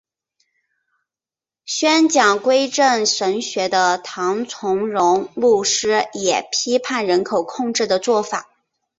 宣讲归正神学的唐崇荣牧师也批判人口控制的做法。